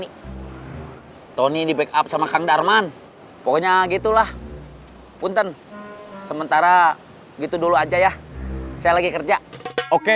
hai tony di backup sama kang darman pokoknya gitulah punten sementara gitu dulu aja ya saya lagi kerja oke